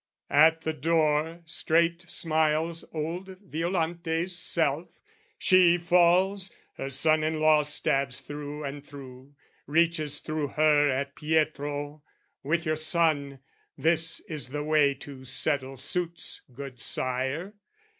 At the door, straight smiles old Violante's self. She falls, her son in law stabs through and through, Reaches thro' her at Pietro "With your son "This is the way to settle suits, good sire!"